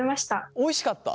おいしかった？